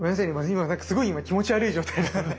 今すごい気持ち悪い状態なんで。